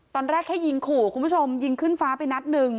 ตอนแรกแค่ยิงขู่คุณผู้ชมยิงขึ้นฟ้าไปนัดหนึ่ง